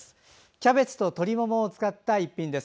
キャベツと鶏ももを使った一品です。